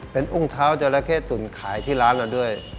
เป็นอุ้งเท้าจราเข้ตุ๋นขายที่ร้านเราด้วย